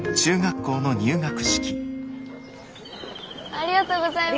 ありがとうございます。